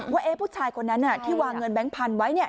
ว่าผู้ชายคนนั้นที่วางเงินแบงค์พันธุ์ไว้เนี่ย